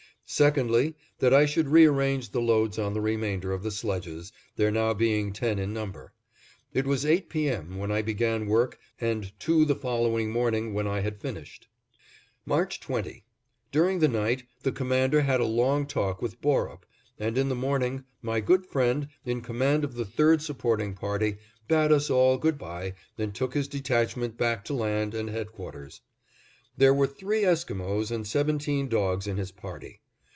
Secondly; that I should rearrange the loads on the remainder of the sledges, there now being ten in number. It was eight P. M. when I began work and two the following morning when I had finished. March 20: During the night, the Commander had a long talk with Borup, and in the morning my good friend, in command of the third supporting party, bade us all good by and took his detachment back to land and headquarters. There were three Esquimos and seventeen dogs in his party.